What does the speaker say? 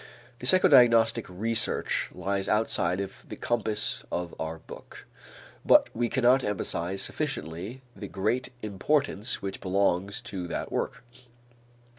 The psychodiagnostic research lies outside of the compass of our book, but we cannot emphasize sufficiently the great importance which belongs to that work.